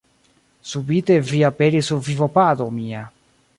Subite vi aperis sur vivopado mia.